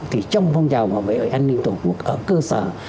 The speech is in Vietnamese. thì trong phong trào bảo vệ an ninh tổ quốc ở cơ sở